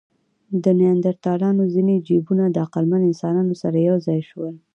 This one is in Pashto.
د نیاندرتالانو ځینې جینونه د عقلمن انسانانو سره یو ځای شول.